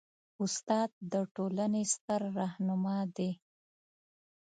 استاد د ټولنې ستر رهنما دی.